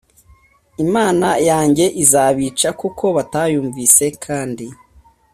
imana yanjye izabica kuko batayumviye kandi